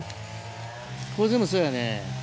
これ全部そうやね。